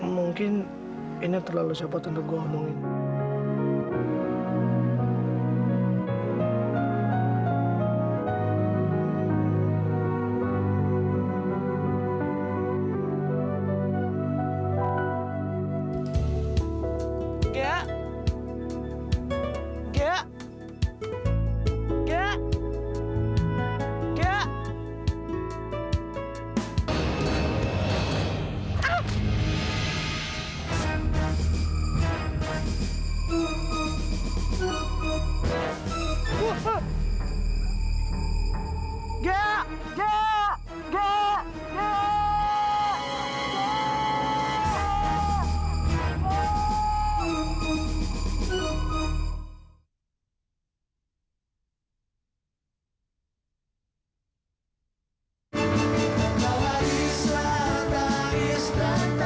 mungkin ini terlalu syapat untuk gue omongin